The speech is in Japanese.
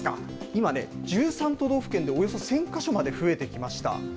今ね、１３都道府県でおよそ１０００か所まで増えてきました。